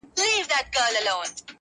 په كوڅو كي يې ژوندۍ جنازې ګرځي-